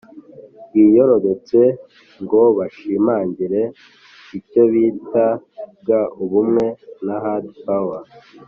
bwiyorobetse (soft power) ngo bashimangire icyo bitaga ubumwe na hard power.